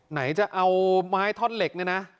ไหนจะเอาไม้ท่อนเหล็กเนี่ยนะ